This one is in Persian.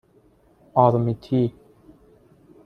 آرمیتی